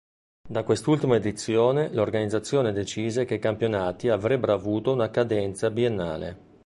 Da quest'ultima edizione l'organizzazione decise che i campionati avrebbero avuto una cadenza biennale.